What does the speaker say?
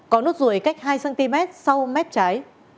có nốt ruồi cách hai cm sau mép trái